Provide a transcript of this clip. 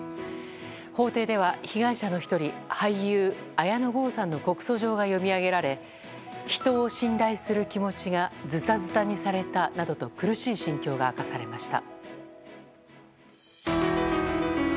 法廷では被害者の１人俳優・綾野剛さんの告訴状が読み上げられ人を信頼する気持ちがズタズタにされたなどと苦しい心境が明かされました。